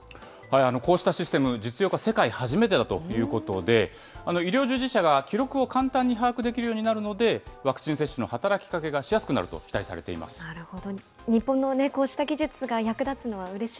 こうしたシステム、実用化、世界初めてだということで、医療従事者が記録を簡単に把握できるようになるので、ワクチン接種の働きかけがしやすくなると期待さなるほど。